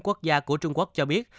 quốc gia của trung quốc cho biết